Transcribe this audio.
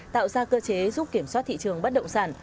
tạo ra cơ chế giúp kiểm soát thị trường bất động sản